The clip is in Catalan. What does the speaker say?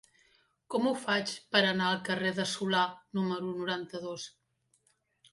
Com ho faig per anar al carrer de Solà número noranta-dos?